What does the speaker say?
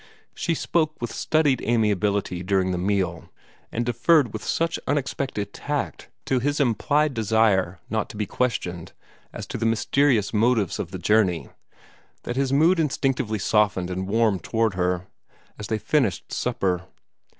She spoke with studied amiability during the meal, and deferred with such unexpected tact to his implied desire not to be questioned as to the mysterious motives of the journey, that his mood instinctively softened and warmed toward her, as they finished supper.